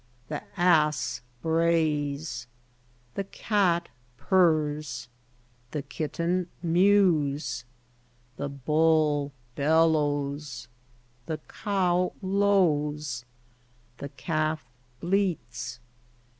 The ass brays. The cat purrs. The kit ten mews. The bull bel lows. The cow lows. The calf bleats.